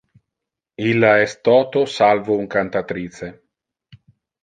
Illa es toto salvo un cantatrice.